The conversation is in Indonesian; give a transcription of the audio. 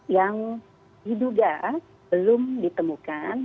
yang diduga belum ditemukan